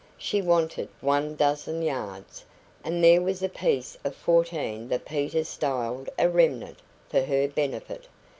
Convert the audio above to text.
She wanted one dozen yards, and there was a piece of fourteen that Peter styled a "remnant" for her benefit.